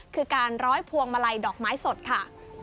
คือการร้อยพวงมาลัยดอกไม้สดค่ะ